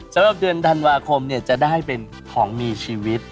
สำหรับเดือนธันวาคมจะได้เป็นของมีชีวิต